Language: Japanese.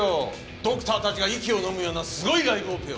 ドクターたちが息をのむようなすごいライブオペを。